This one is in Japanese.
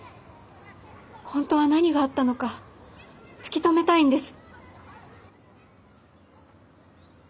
本当は何があったのか突き止めたいんです。